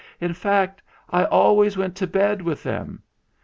In fact, I always went to bed with them.